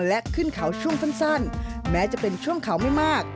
และขึ้นเขาช่วงสั้นแม้จะเป็นช่วงเขาไม่มาก